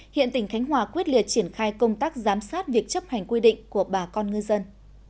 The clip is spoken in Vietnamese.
hiện tỉnh khánh hòa quyết liệt triển khai công tác giám sát việc chấp hành quy định của bà con ngư dân